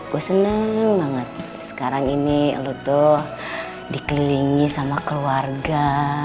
gue senang banget sekarang ini lu tuh dikelilingi sama keluarga